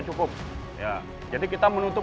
cukup ya jadi kita menutup